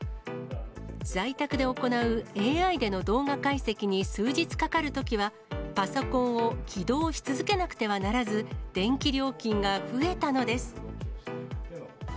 在宅で行うＡＩでの動画解析に数日かかるときは、パソコンを起動し続けなくてはならず、電気料金が増えたのです。